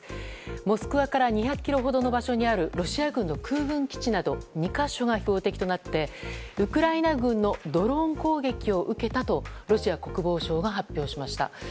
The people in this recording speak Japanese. モスクワから２００ｋｍほどの場所にあるロシア軍の空軍基地など２か所が標的となってウクライナ軍のドローン攻撃を受けたとロシア国防省が発表しました。